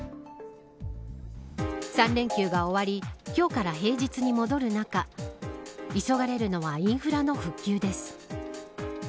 ３連休が終わり今日から平日に戻る中急がれるのはインフラの復旧です。